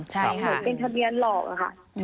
ใช่ค่ะเป็นทะเบียนหลอกนะคะอืม